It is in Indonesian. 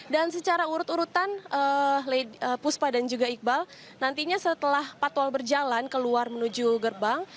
dan secara urut urutan puspa dan juga iqbal nantinya setelah patwal berjalan keluar menuju gerbang